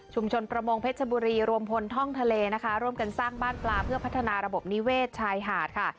ประมงเพชรบุรีรวมพลท่องทะเลนะคะร่วมกันสร้างบ้านปลาเพื่อพัฒนาระบบนิเวศชายหาดค่ะ